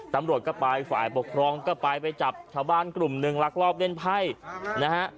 ตำรวจก็ไปฝ่ายปกครองก็ไปไปจับชาวบ้านกลุ่มหนึ่งลักลอบเล่นไพ่นะฮะ